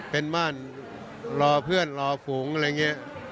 เป็นบ้านรอเพื่อนรอฝูงอะไรอย่างนี้